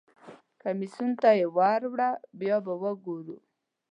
کمیسیون ته یې ور وړه بیا به وګورو.